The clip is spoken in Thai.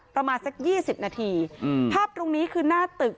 ประมาณสักยี่สิบนาทีภาพตรงนี้คือหน้าตึก